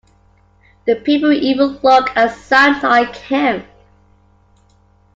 The people even look and sound like him.